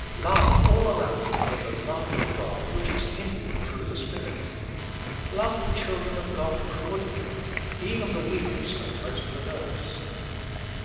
Love all around you with the love of God which is in you through the Spirit. Love the children of God cordially, even the weakest and most perverse.